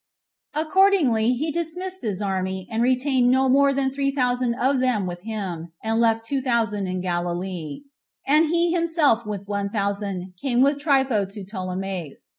Accordingly, he dismissed his army, and retained no more than three thousand of them with him, and left two thousand in Galilee; and he himself, with one thousand, came with Trypho to Ptolemais.